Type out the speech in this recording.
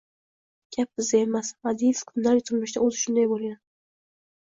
— Gap bizda emas. Madiev kundalik turmushda o‘zi shunday bo‘lgan.